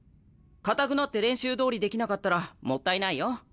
硬くなって練習どおりできなかったらもったいないよ。